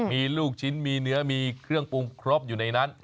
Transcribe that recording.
มีลูกชิ้นมีเนื้อมีเครื่องปรุงครบอยู่ในนั้น